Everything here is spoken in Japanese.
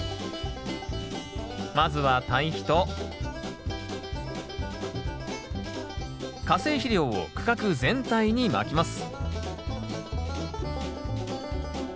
まずは堆肥と化成肥料を区画全体にまきます